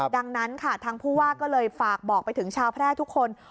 ดังนั้นค่ะทางผู้ว่าก็เลยฝากบอกไปถึงชาวแพร่ทุกคน